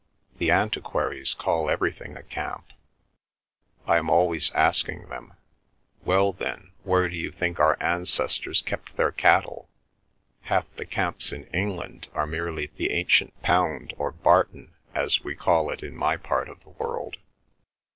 The antiquaries call everything a camp. I am always asking them, Well then, where do you think our ancestors kept their cattle? Half the camps in England are merely the ancient pound or barton as we call it in my part of the world.